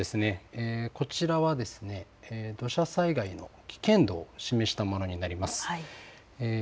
こちらは、土砂災害の危険度を示したものになります。